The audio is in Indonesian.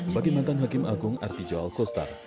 bagi mantan hakim agung artijal kostar